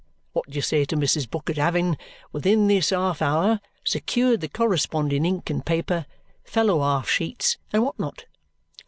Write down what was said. What do you say to Mrs. Bucket having, within this half hour, secured the corresponding ink and paper, fellow half sheets and what not?